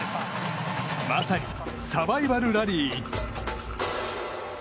まさに、サバイバルラリー。